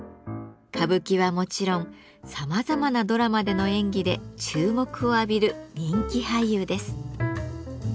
歌舞伎はもちろんさまざまなドラマでの演技で注目を浴びる人気俳優です。